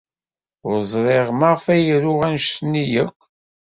Ur ẓriɣ maɣef ay ruɣ anect-nni akk.